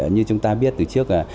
như chúng ta biết từ trước